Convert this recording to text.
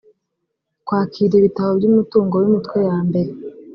kwakira ibitabo by umutungo w imitwe yambere